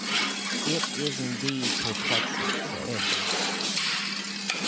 "It is indeed perplexing," said Edwin.